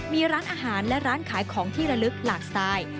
มีร้านอาหารและร้านขายของที่ระลึกหลากสไตล์